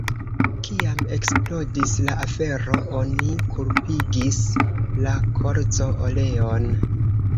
Kiam eksplodis la afero, oni kulpigis la kolzo-oleon.